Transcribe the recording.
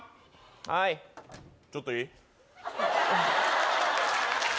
はいちょっといい？